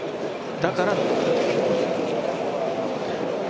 だから。